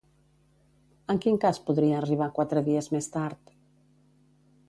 En quin cas podria arribar quatre dies més tard?